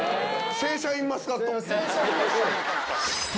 正社員マスカット？